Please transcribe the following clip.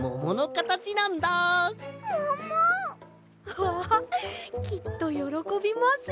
わきっとよろこびますよ！